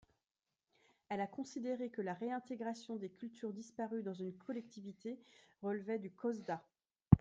Elle a considéré que « la réintégration des cultures disparues dans une collectivité » relevait du COSDA.